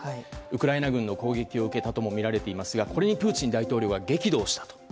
ウクライナ軍の攻撃を受けたともみられていますがこれにプーチン大統領は激怒をしたと。